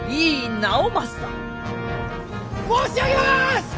申し上げます！